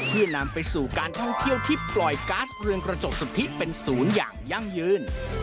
เพื่อนำไปสู่การท่องเที่ยวที่ปล่อยก๊าซเรือนกระจกสุทธิเป็นศูนย์อย่างยั่งยืน